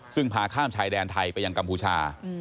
ซึ่งพาข้ามชายแดนไทยไปยังกัมพูชา